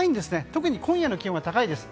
特に今夜の気温は高いです。